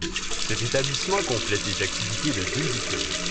Cet établissement complète les activités de deux écuries.